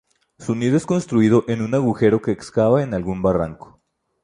Su nido es construido en un agujero que excava en algún barranco.